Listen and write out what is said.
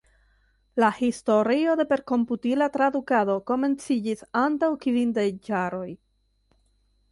La historio de perkomputila tradukado komenciĝis antaŭ kvindek jaroj.